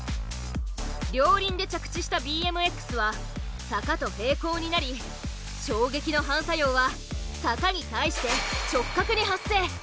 両輪で着地したＢＭＸは坂と平行になり衝撃の反作用は坂に対して直角に発生。